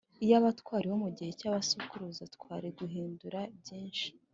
Iyaba twariho mu gihe cya basogokuruza twari guhindura byinshi